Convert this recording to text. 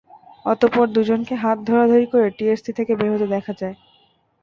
অতঃপর দুজনকে হাত ধরাধরি করে টিএসসি থেকে বের হতে দেখা যায়।